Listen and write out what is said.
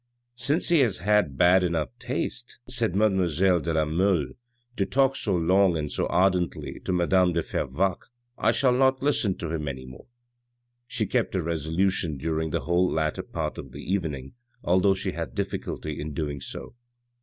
" Since he has bad enough taste," said mademoiselle de la Mole, " to talk so long and so ardently to madame de Fervaques, I shall not listen to him any more." She kept her resolution during the whole latter part of the evening, although she had difficulty in doing so.